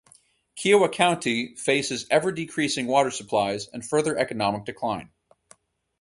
Kiowa County faces ever-decreasing water supplies and further economic decline.